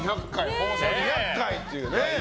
放送２００回というね。